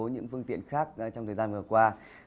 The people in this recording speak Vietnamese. những phương tiện khác trong thời gian vừa qua